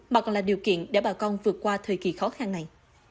mà còn là điều kiện để bà con vượt qua thời kỳ khó khăn này